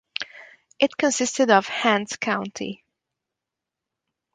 It consisted of Hants County.